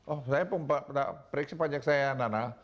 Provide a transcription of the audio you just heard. oh saya pereksi pajak saya ya nana